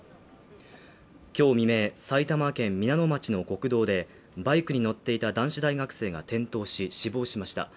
今日未明、埼玉県皆野町の国道でバイクに乗っていた男子大学生が転倒し死亡しました。